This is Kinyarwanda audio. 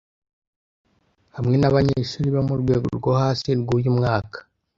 hamwe nabanyeshuri bo murwego rwo hasi rwuyu mwaka.